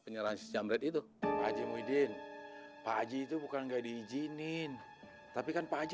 penyerahan siamret itu haji muhyiddin pak haji itu bukan enggak diijinin tapi kan pak haji